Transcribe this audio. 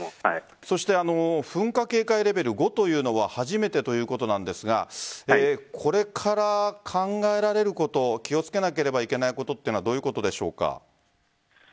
そして噴火警戒レベル５というのは初めてということなんですがこれから考えられること気をつけなければいけないことはどういうことでしょうか？